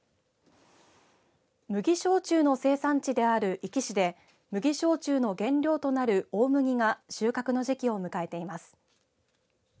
麦焼酎の生産地である壱岐市で麦焼酎の原料となる大麦が収穫の時期を迎えています。